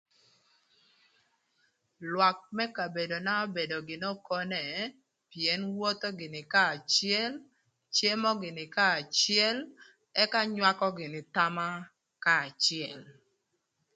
Lwak më kabedona obedo gïnï okone pïën wotho gïnï kanya acël, cemo gïnï kanya acël ëka nywakö gïnï thama kanya acël.